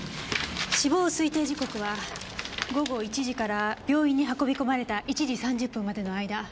死亡推定時刻は午後１時から病院に運び込まれた１時３０分までの間。